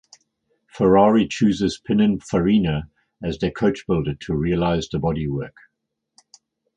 Ferrari chose Pinin Farina as their coachbuilder to realise the bodywork.